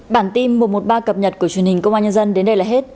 bản tin một trăm một mươi ba cập nhật của truyền hình công an nhân dân đến đây là hết